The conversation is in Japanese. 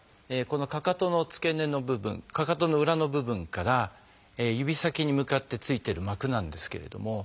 このかかとの付け根の部分かかとの裏の部分から指先に向かってついてる膜なんですけれども。